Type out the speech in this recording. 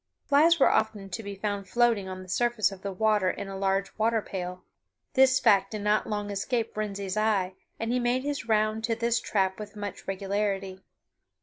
Flies were often to be found floating on the surface of the water in a large water pail. This fact did not long escape Wrensie's eye, and he made his round to this trap with much regularity.